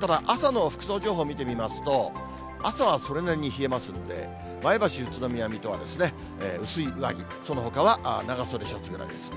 ただ、朝の服装情報見てみますと、朝はそれなりに冷えますんで、前橋、宇都宮、水戸はですね、薄い上着、そのほかは長袖シャツぐらいです。